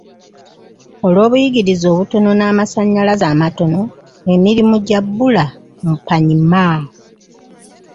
Olw'obuyigirize obutono n'amasannyalaze amatono, emirimu gya bbula mu Panyimur.